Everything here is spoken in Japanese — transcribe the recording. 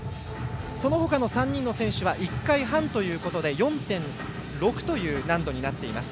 その他の３人の選手は１回半ということで４．６という難度になっています。